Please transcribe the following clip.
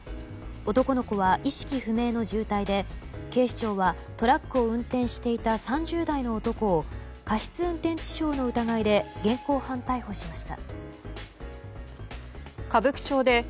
男の子は意識不明の重体で警視庁はトラックを運転していた３０代の男を過失運転致死傷の疑いで現行犯逮捕しました。